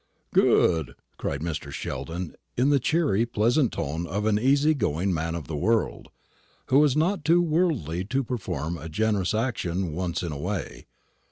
"Good," cried Mr. Sheldon, in the cheery, pleasant tone of an easy going man of the world, who is not too worldly to perform a generous action once in a way.